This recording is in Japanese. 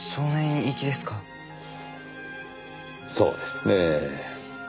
そうですねぇ。